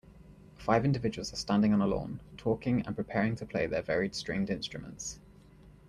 Five individuals are standing on a lawn, talking and preparing to play their varied stringed instruments.